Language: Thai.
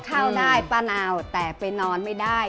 ข้าวได้ป้านาวแต่ไปนอนไม่ได้